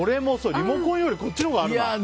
リモコンよりこっちのほうがあるな。ね。